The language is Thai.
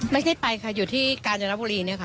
ไม่ใช่ไปค่ะอยู่ที่กาญจนบุรีเนี่ยค่ะ